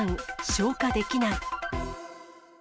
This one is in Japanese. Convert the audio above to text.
消火できない。